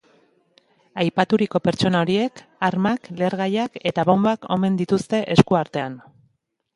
Aipaturiko pertsona horiek armak, lehergaiak eta bonbak omen dituzte esku artean.